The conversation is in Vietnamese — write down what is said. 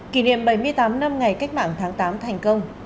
kỷ niệm bảy mươi tám năm ngày cách mạng tháng tám thành công